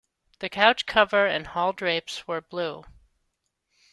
The couch cover and hall drapes were blue.